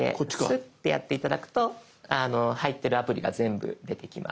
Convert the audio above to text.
スッてやって頂くと入ってるアプリが全部出てきます。